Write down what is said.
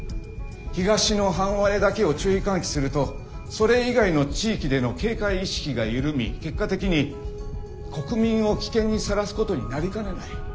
東の半割れだけを注意喚起するとそれ以外の地域での警戒意識が緩み結果的に国民を危険にさらすことになりかねない。